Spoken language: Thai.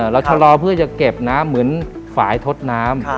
ชะลอเพื่อจะเก็บน้ำเหมือนฝ่ายทดน้ำ